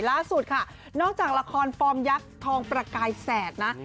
ล่าสุดค่ะนอกจากละครฟอร์มยักษ์ทองประกายแสดนะ